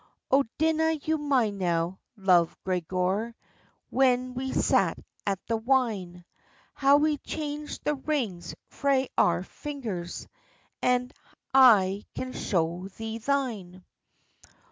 "O dinna you mind now, Love Gregor, When we sat at the wine, How we changed the rings frae our fingers? And I can show thee thine.